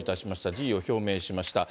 辞意を表明しました。